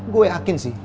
gue yakin sih